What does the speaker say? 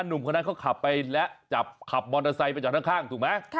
หนุ่มคนนั้นเขาขับไปและจับขับมอเตอร์ไซค์ไปจอดข้างถูกไหม